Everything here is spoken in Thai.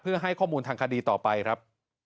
เพื่อให้ข้อมูลทางคดีต่อไปครับ